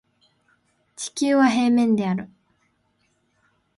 地球は平面である